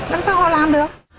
làm sao họ làm được